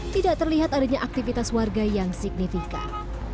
tidak terlihat adanya aktivitas warga yang signifikan